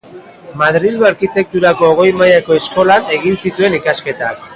Madrilgo Arkitekturako Goi Mailako Eskolan egin zituen ikasketak.